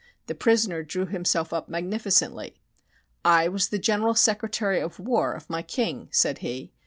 The prisoner drew himself up magnificently. "I was the General Secretary of War of my King," said he.